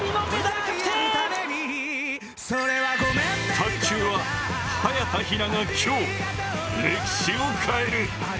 卓球は早田ひなが今日、歴史を変える。